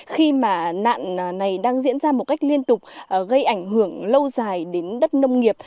khi mà nạn này đang diễn ra một cách liên tục gây ảnh hưởng lâu dài đến đất nông nghiệp